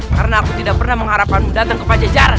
karena aku tidak pernah mengharapkanmu datang ke pajajaran